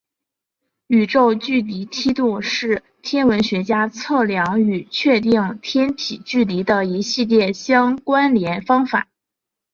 宇宙距离梯度是天文学家测量与确定天体距离的一系列相关联方法。